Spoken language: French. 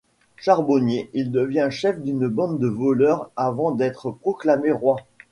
Charbonnier, il devient chef d’une bande de voleurs avant d’être proclamé roi.